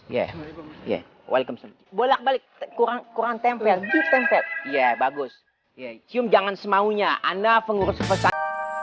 ya ya ya balik balik kurang kurang tempel tempel ya bagus cium jangan semaunya anda pengurusan